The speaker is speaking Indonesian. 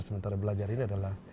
sementara belajar ini adalah